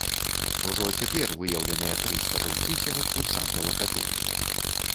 Ужо цяпер выяўленыя тры спажыўцы сярод курсантаў акадэміі.